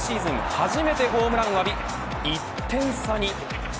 初めてホームランを浴び、１点差に。